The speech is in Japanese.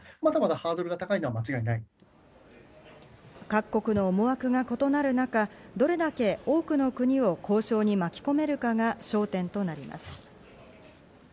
各国の思惑が異なる中、どれだけ多くの国を交渉に巻き込めるかが焦点となります。